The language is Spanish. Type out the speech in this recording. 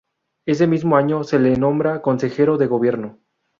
Ese mismo año se le nombra consejero de gobierno.